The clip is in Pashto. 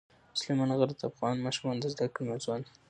سلیمان غر د افغان ماشومانو د زده کړې موضوع ده.